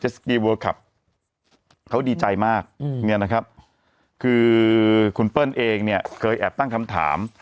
เจสกีเวิร์ดคลับเขาดีใจมากคือคุณเปิ้ลเองเนี่ยเคยแอบตั้งคำถาม